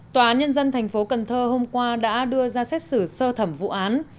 tòa án nhân dân tp cn hôm qua đã đưa ra xét xử sơ thẩm vụ án